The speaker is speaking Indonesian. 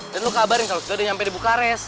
dan lo kabarin kalau sudah udah nyampe di bukares